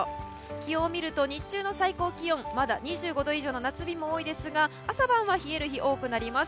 気温を見ると、日中の最高気温まだ２５度以上の夏日も多いですが朝晩は冷える日が多くなります。